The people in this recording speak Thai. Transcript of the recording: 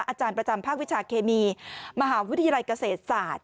อาจารย์ประจำภาควิชาเคมีมหาวิทยาลัยเกษตรศาสตร์